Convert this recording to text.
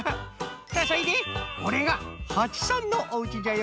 そいでこれがはちさんのおうちじゃよ。